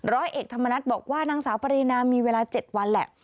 ร้อยเอกธรรมนัฏบอกว่านางสาวปรินามีเวลา๗วันแหละ